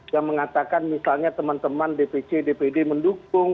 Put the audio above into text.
yang mengatakan misalnya teman teman dpc dpd mendukung